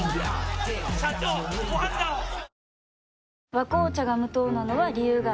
「和紅茶」が無糖なのは、理由があるんよ。